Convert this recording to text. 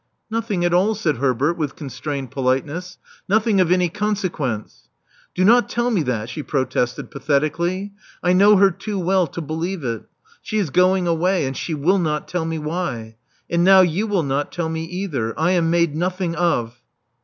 '* Nothing at all," said Herbert, with constrained politeness. Nothing of any consequence. Do not tell me that," she protested, pathetically. *'I know her too well to believe it. She is going away; and she will not tell me why. And now you will not tell me either. I am made nothing of.